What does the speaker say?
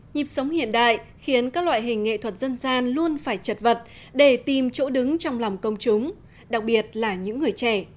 nhịp sống hiện đại khiến các loại hình nghệ thuật dân gian luôn phải chật vật để tìm chỗ đứng trong lòng công chúng đặc biệt là những người trẻ